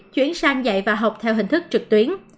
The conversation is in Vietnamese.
chuyển sang dạy và học theo hình thức trực tuyến